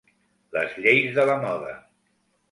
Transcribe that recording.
Les lleis de la moda.